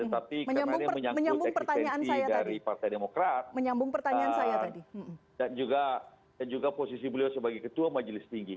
tetapi karena ini menyangkut eksistensi dari partai demokrat dan juga posisi beliau sebagai ketua majelis tinggi